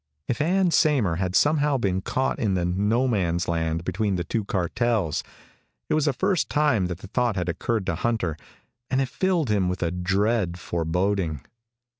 If Ann Saymer had somehow been caught in the no man's land between the two cartels It was the first time that thought had occurred to Hunter, and it filled him with a dread foreboding.